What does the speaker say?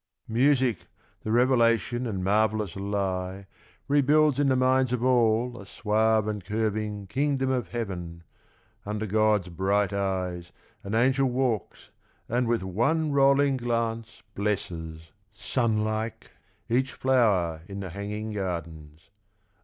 " Music, the revelation and marvellous lie. Rebuilds in the minds of all a suave and curving Kingdom of Heaven; under God's bright eyes An angel walks and with one rolling glance 36 Theatre of Varieties. Blesses, sun like, each flower in the hanging gardens.